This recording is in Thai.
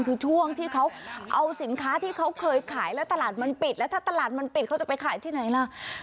คือช่วงที่เขาเอาสินค้าที่เขาเคยขายแล้วตลาดมันปิดแล้วถ้าตลาดมันปิดเขาจะไปขายที่ไหนล่ะ